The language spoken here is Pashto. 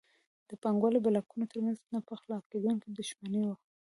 د پانګوالۍ بلاکونو ترمنځ نه پخلاکېدونکې دښمني وه.